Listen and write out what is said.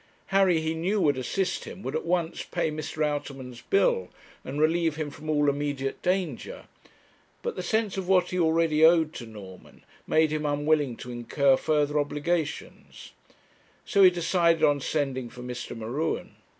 Harry he knew would assist him, would at once pay Mr. Outerman's bill, and relieve him from all immediate danger; but the sense of what he already owed to Norman made him unwilling to incur further obligations; so he decided on sending for Mr. M'Ruen.